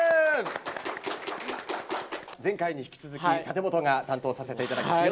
前回に引き続き立本が担当させていただきます。